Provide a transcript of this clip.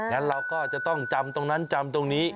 งั้นเราก็จะต้องจำตรงนั้นจำตรงนี้